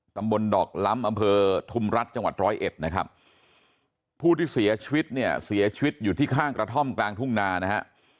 ตำบลดอกล้ำอำเภอทุมรัฐจังหวัดร้อยเอ็ดนะครับผู้ที่เสียชีวิตเนี่ยเสียชีวิตอยู่ที่ข้างกระท่อมกลางทุ่งนานะฮะ